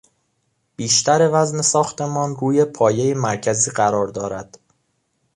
بیشتر وزن ساختمان روی پایهی مرکزی قرار دارد.